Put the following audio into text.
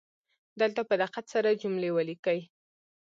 دلته په دقت سره جملې ولیکئ